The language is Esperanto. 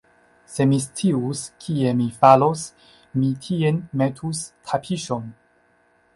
Se mi scius, kie mi falos, mi tien metus tapiŝon.